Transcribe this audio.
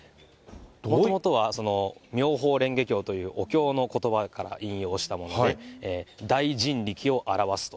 もともとは妙法蓮華経というお経のことばから引用したもので、大神力を現すと。